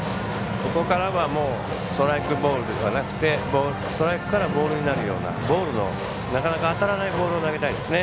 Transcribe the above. ここからはストライクボールではなくてストライクからボールになるようななかなか当たらないボールを投げたいですね。